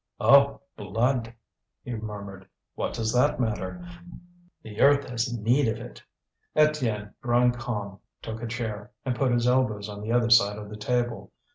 "Oh! blood!" he murmured. "What does that matter? The earth has need of it." Étienne, growing calm, took a chair, and put his elbows on the other side of the table.